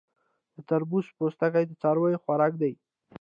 د تربوز پوستکی د څارویو خوراک دی.